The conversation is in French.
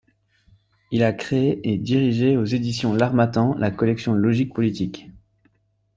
Il a créé et dirigé aux éditions L'Harmattan la collection Logiques politiques.